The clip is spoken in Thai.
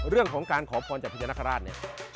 เรื่องของการขอพรจากพญานาคาราชเนี่ย